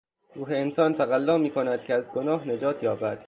روح انسان تقلا میکند که از گناه نجات یابد.